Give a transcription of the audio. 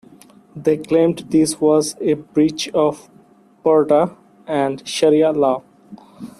They claimed this was a breach of purdah and sharia law.